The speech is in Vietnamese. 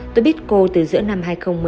tôi biết cô từ giữa năm hai nghìn một mươi